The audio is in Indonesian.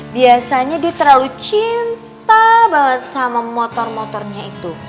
biasanya dia terlalu cinta sama motor motornya itu